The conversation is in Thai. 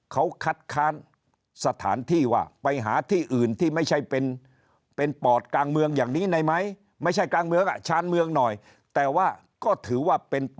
เขาคัดค้านสถานที่ว่าไปหาที่อื่นที่ไม่ใช่เป็น